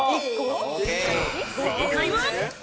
正解は。